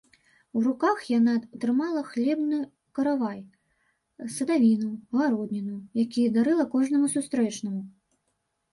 У руках яна трымала хлебны каравай, садавіну, гародніну, якія дарыла кожнаму сустрэчнаму.